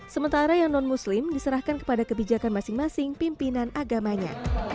sementara yang non muslim diserahkan kepada kebijakan masing masing pimpinan agamanya